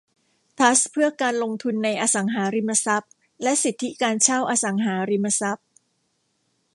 ทรัสต์เพื่อการลงทุนในอสังหาริมทรัพย์และสิทธิการเช่าอสังหาริมทรัพย์